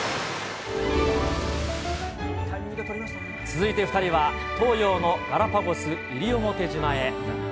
続いて、２人は東洋のガラパゴス、西表島へ。